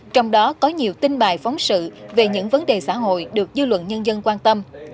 trong đó có nhiều tin bài phóng sự về những vấn đề xã hội được dư luận nhân dân quan tâm